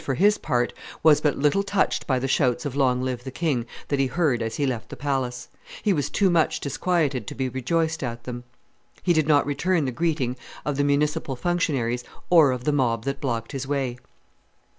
for his part, was but little touched by the shouts of Long live the king! that he heard as he left the palace; he was too much disquieted to be rejoiced at them. He did not return the greeting of the municipal functionaries or of the mob that blocked his way.